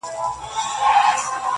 د سیند پر غاړه به زنګیږي ونه!